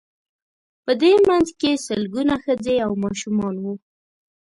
په دې منځ کې سلګونه ښځې او ماشومان وو.